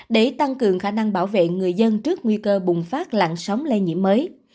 để tăng cường khả năng bảo vệ người dân trước nguy cơ bùng phát lặn sóng lây nhiễm mới